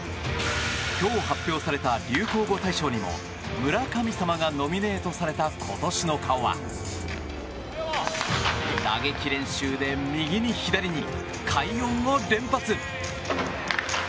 今日発表された流行語大賞にも村神様がノミネートされた今年の顔は、打撃練習で右に左に快音を連発！